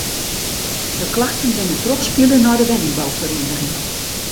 De klachten binne trochspile nei de wenningbouferieniging.